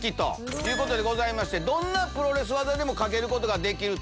どんなプロレス技でもかけることができる。